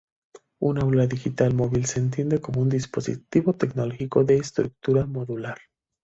Un Aula Digital Móvil se entiende como un dispositivo tecnológico de estructura modular.